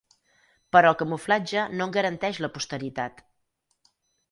Però el camuflatge no en garanteix la posteritat.